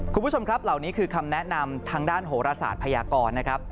คุณผู้ชมครับเหล่านี้คือคำแนะนำทางด้านโหรศาสตร์พยากรนะครับ